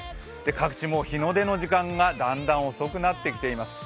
各地、もう日の出の時間がだんだん遅くなってきています。